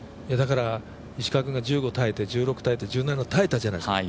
石川君が１５耐えて１６耐えて１７耐えたじゃないですか。